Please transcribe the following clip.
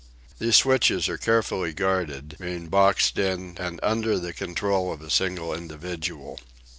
These switches are carefully guarded, being boxed in and under the control of a single individual.